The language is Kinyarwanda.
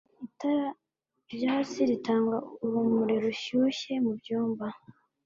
itara ryatsi ritanga urumuri rushyushye mubyumba